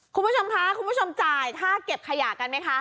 คุณผู้ชมคะคุณผู้ชมจ่ายค่าเก็บขยะกันไหมคะ